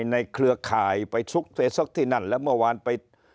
เครือข่ายไปซุกเฟซกที่นั่นแล้วเมื่อวานไป